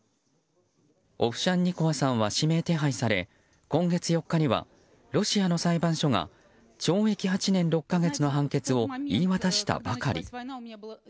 オフシャンニコワさんは指名手配され今月４日にはロシアの裁判所が懲役８年６か月の判決を言い渡したばかり。